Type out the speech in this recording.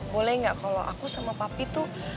boleh gak kalo aku sama papi tuh